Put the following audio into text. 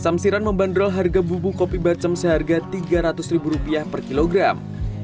samsiran membanderol harga bubu kopi bacem seharga rp tiga ratus per kilogram